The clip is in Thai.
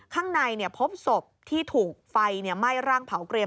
ข้างในพบศพที่ถูกไฟไหม้ร่างเผาเกรีย